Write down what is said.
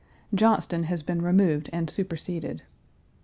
Johnston1 has been removed and superseded.